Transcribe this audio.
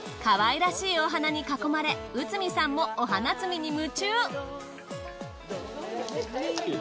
かわいらしいお花に囲まれうつみさんもお花摘みに夢中。